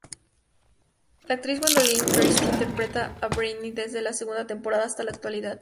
La actriz Gwendoline Christie interpreta a Brienne desde la segunda temporada hasta la actualidad.